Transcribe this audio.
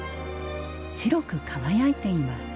白く輝いています。